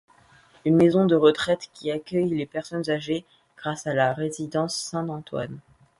Une maison de retraite qui accueille les personnes âgées grâce à la résidence Saint-Antoine.